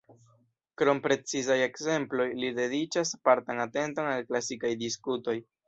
Krom precizaj ekzemploj, li dediĉas partan atenton al klasikaj diskutoj.